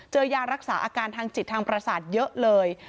ยารักษาอาการทางจิตทางประสาทเยอะเลย